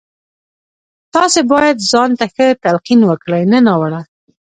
تاسې بايد ځان ته ښه تلقين وکړئ نه ناوړه.